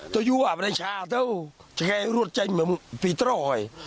ตัวอยู่อาวุธชาติเท่าแค่รวดใจมันปิดตรงไหว